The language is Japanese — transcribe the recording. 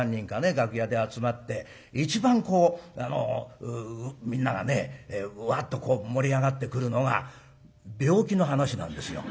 楽屋で集まって一番こうみんながねワッと盛り上がってくるのが病気の話なんですよ。